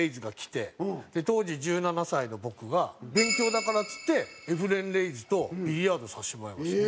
当時１７歳の僕が勉強だからっつってエフレン・レイズとビリヤードさせてもらいました。